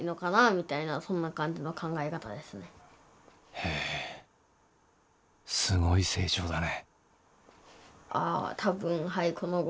へえすごい成長だね。